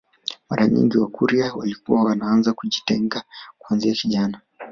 Mara nyingi wakurya walikuwa wanaanza kujitenga kuanzia kijana